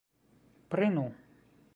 prenu